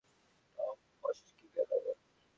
তাও ফসকে গেল।